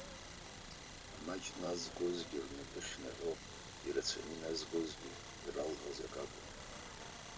Амаҷ назгозгьы, рнапы хьнаҳәо ирацәаны иназгозгьы, иралҳәоз акы акәын.